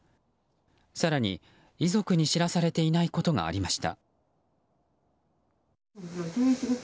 更に、遺族に知らされていないことがありました。